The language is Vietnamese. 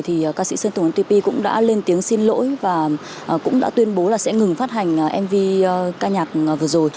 thì ca sĩ sơn tùng tp cũng đã lên tiếng xin lỗi và cũng đã tuyên bố là sẽ ngừng phát hành mv ca nhạc vừa rồi